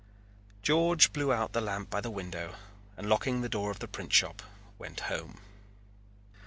George blew out the lamp by the window and locking the door of the printshop went home.